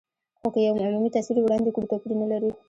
خو که یو عمومي تصویر وړاندې کړو، توپیر نه لري.